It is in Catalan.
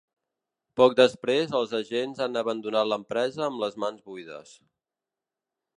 Poc després els agents han abandonat l’empresa amb les mans buides.